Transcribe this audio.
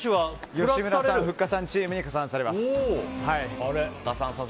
吉村さん、ふっかさんチームに加算させます。